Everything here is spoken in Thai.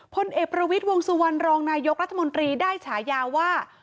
พลเอกประวิทย์วงสุวรรณรองนายกรัฐมนตรีได้ฉายาว่า